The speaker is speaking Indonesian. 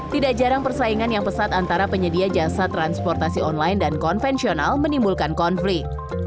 tidak jarang persaingan yang pesat antara penyedia jasa transportasi online dan konvensional menimbulkan konflik